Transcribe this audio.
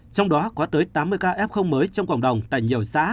trong đó có tới tám mươi ca f mới trong cộng đồng tại nhiều xã